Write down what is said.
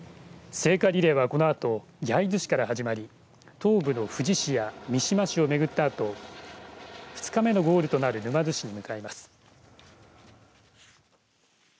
聖火リレーは、このあと焼津市から始まり東部の富士市や三島市を巡ったあと２日目のゴールとなる沼津市に向かいます。